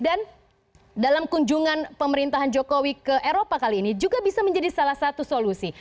dan dalam kunjungan pemerintahan jokowi ke eropa kali ini juga bisa menjadi salah satu solusi